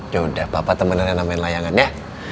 yaudah papa temennya namanya main layangan ya